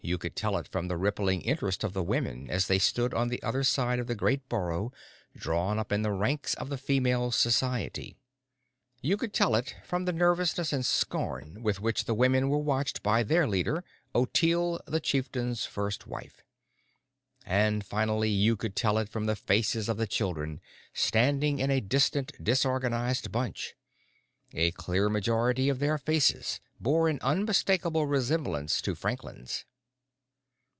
You could tell it from the rippling interest of the women as they stood on the other side of the great burrow, drawn up in the ranks of the Female Society. You could tell it from the nervousness and scorn with which the women were watched by their leader, Ottilie, the Chieftain's First Wife. And finally, you could tell it from the faces of the children, standing in a distant, disorganized bunch. A clear majority of their faces bore an unmistakable resemblance to Franklin's.